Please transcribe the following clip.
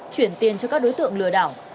chuyển tiền cho các đối tượng lừa đảo